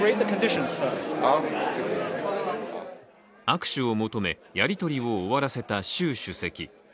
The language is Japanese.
握手を求め、やり取りを終わらせた習主席。